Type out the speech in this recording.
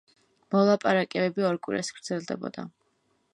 მოლაპარაკებები ორ კვირას გრძელდებოდა.